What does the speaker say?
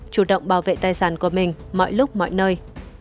chủ động bảo vệ tài sản của mình mọi lúc mọi nơi